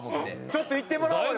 ちょっと行ってもらおうよ。